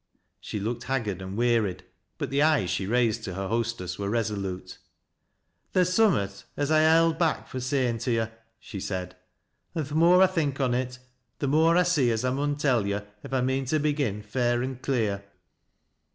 She looked haggard and wearied, but the eyes she raised to her hostess were resolute. " Theer's summat as I ha' held back fro' sayin' to yo'," she said, " an' th' more I think on it, th' more I see as I mun tell yo' if I mean to begin fair an' clear.